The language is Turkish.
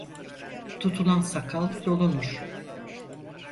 Tutulan sakal yolunur.